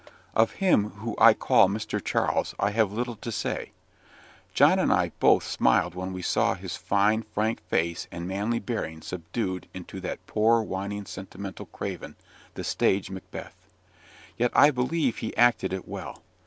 Of him whom I call Mr. Charles I have little to say. John and I both smiled when we saw his fine, frank face and manly bearing subdued into that poor, whining, sentimental craven, the stage Macbeth. Yet I believe he acted it well.